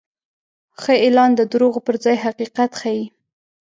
ښه اعلان د دروغو پر ځای حقیقت ښيي.